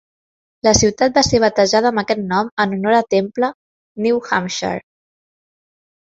La ciutat va ser batejada amb aquest nom en honor a Temple, New Hampshire.